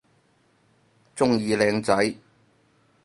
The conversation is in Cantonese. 鍾意靚仔